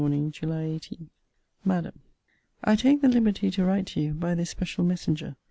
JULY 18. MADAM, I take the liberty to write to you, by this special messenger.